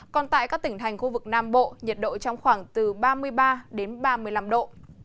còn tại các tỉnh thành khu vực nam bộ nhiệt độ trong khoảng từ ba mươi ba đến ba mươi năm độ